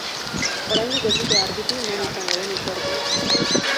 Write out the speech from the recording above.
Oraindik ez dute argitu non izango den hitzordua.